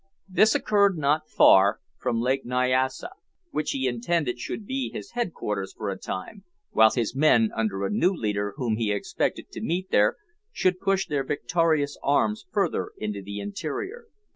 This occurred not far from Lake Nyassa, which he intended should be his headquarters for a time, while his men, under a new leader whom he expected to meet there, should push their victorious arms farther into the interior.